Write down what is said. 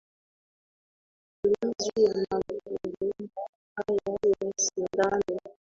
a matumizi ya mabomba haya ya sindano